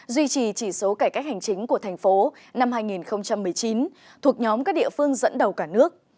duy trì chỉ số cải cách hành chính của thành phố năm hai nghìn một mươi chín thuộc nhóm các địa phương dẫn đầu cả nước